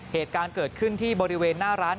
เหตุการณ์เกิดขึ้นที่บริเวณหน้าร้าน